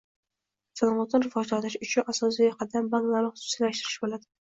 Sanoatni rivojlantirish uchun asosiy qadam banklarni xususiylashtirish bo'ladi